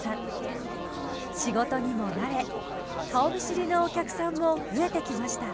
仕事にも慣れ顔見知りのお客さんも増えてきました。